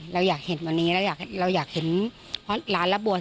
เราอยากเห็นวันนี้เราอยากเห็นหลานรับบวช